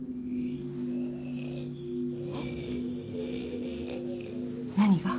えっ？何が？